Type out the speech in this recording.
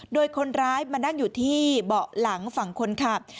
โดยคนร้ายมานั่งอยู่ที่เบาะหลังฝั่งคนขับ